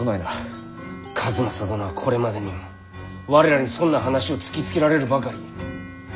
数正殿はこれまでにも我らに損な話を突きつけられるばかり。